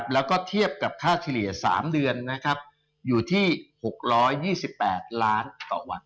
แล้วก็เทียบกับค่าเฉลี่ย๓เดือนอยู่ที่๖๒๘ล้านต่อวัน